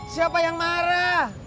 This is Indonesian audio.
siapa yang marah